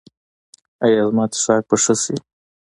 ایا زما څښاک به ښه شي؟